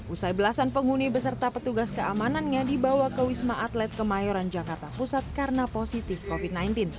usai belasan penghuni beserta petugas keamanannya dibawa ke wisma atlet kemayoran jakarta pusat karena positif covid sembilan belas